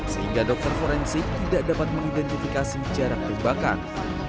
sehingga dokter forensik tidak dapat mengidentifikasi jarak tembakan